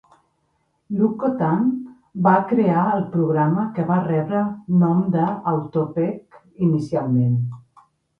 Luc Cottyn va crear el programa, que va rebre el nom de "autopkg" inicialment.